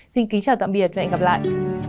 xin kính chào tạm biệt và hẹn gặp lại